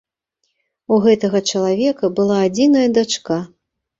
У гэтага чалавека была адзіная дачка.